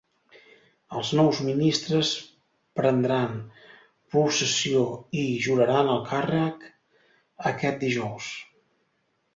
Els nous ministres prendran possessió i juraran el càrrec aquest dijous.